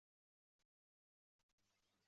Inson salomatligi va ekologiya